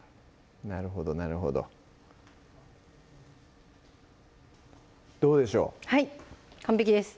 なるほどなるほどどうでしょうはい完璧です！